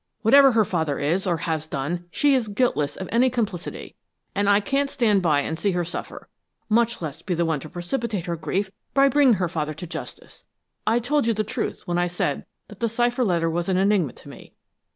Whatever her father is, or has done, she is guiltless of any complicity, and I can't stand by and see her suffer, much less be the one to precipitate her grief by bringing her father to justice. I told you the truth when I said that the cipher letter was an enigma to me.